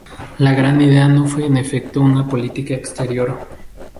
La Gran Idea no fue en efecto una política exterior.